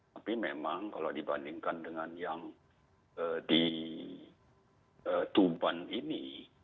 tapi memang kalau dibandingkan dengan yang di tuban ini